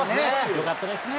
よかったですね。